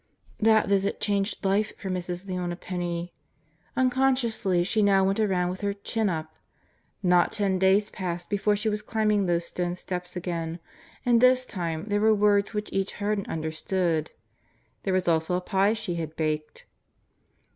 That visit changed life for Mrs. Leona Penney. Unconsciously she now went around with her "chin up." Not ten days passed before she was climbing those stone steps again, and this time there were words which each heard and understood. There was also a pie she had baked.